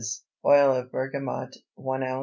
Oil of bergamot 1 oz.